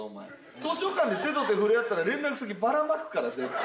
図書館で手と手触れ合ったら連絡先ばらまくから絶対。